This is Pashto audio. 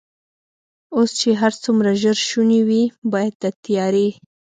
اوس چې هر څومره ژر شونې وي، باید د تیارې.